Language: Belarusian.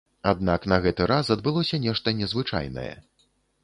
Аднак на гэты раз адбылося нешта незвычайнае.